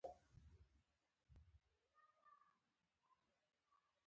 زړه مې مات شو.